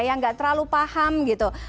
yang nggak terlalu paham gitu